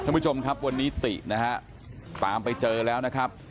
ท่านผู้ชมครับวันนี้ตินะฮะตามไปเจอแล้วนะครับ